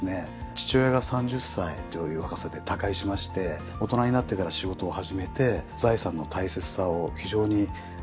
父親が３０歳という若さで他界しまして大人になってから仕事を始めて財産の大切さを非常に痛感してですね